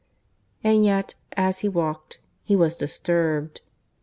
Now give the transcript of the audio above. And yet, as he walked, he was disturbed.